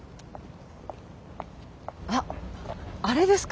あっあれですか？